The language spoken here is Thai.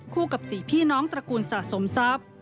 คู่กับสิ่งพี่น้องตระกูลสะสมทรัพย์